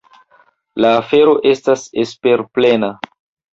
La afero estas esperplena.